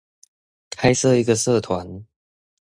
開設一個社團